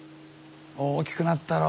大きくなったろ？